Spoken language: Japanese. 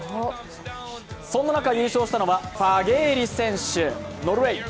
そんな中、優勝したのはファゲーリ選手、ノルウェー。